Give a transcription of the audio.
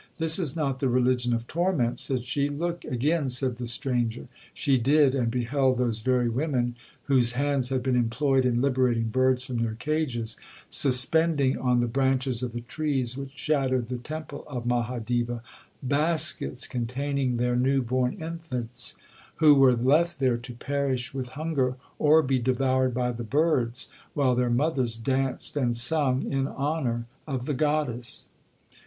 'This is not the religion of torment,' said she.—'Look again,' said the stranger. She did, and beheld those very women whose hands had been employed in liberating birds from their cages, suspending, on the branches of the trees which shadowed the temple of Maha deva, baskets containing their newborn infants, who were left there to perish with hunger, or be devoured by the birds, while their mothers danced and sung in honour of the goddess.